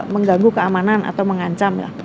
mengganggu keamanan atau mengancam